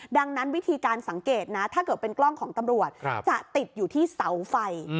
ดังนั้นวิธีการสังเกตนะถ้าเกิดเป็นกล้องของตำรวจจะติดอยู่ที่เสาไฟ